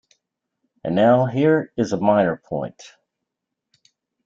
And now here is a minor point.